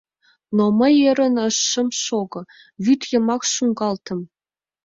Но мый ӧрын шым шого — вӱд йымак шуҥгалтым.